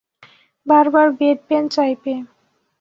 বার বার বেডপ্যান চাইবে।